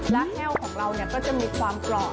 และแห้วของเราก็จะมีความกรอบ